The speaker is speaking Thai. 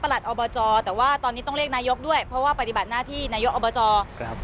อบจแต่ว่าตอนนี้ต้องเรียกนายกด้วยเพราะว่าปฏิบัติหน้าที่นายกอบจครับ